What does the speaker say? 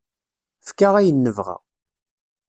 Efk-aɣ ayen nebɣa.